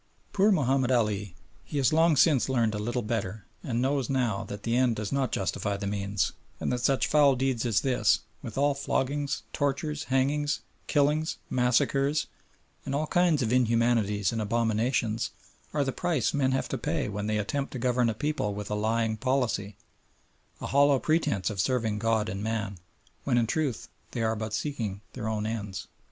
Poor Mahomed Ali! he has long since learned a little better, and knows now that the end does not justify the means, and that such foul deeds as this, with all floggings, tortures, hangings, killings, massacres, and all kinds of inhumanities and abominations, are the price men have to pay when they attempt to govern a people with a lying policy, a hollow pretence of serving God and man, when in truth they are but seeking their own ends.